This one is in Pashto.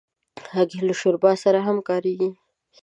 هګۍ له شوربا سره هم کارېږي.